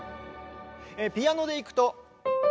ピアノでいくと。